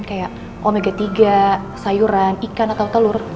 kayak omega tiga sayuran ikan atau telur